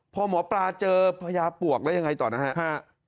พอหมอปลาเจอพญาปวกแล้วยังไงต่อนะฮะ